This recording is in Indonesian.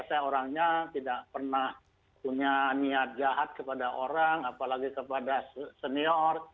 saya orangnya tidak pernah punya niat jahat kepada orang apalagi kepada senior